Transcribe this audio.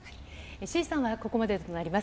志位さんはここまでとなります。